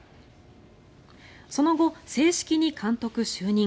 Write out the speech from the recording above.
その後、正式に監督就任。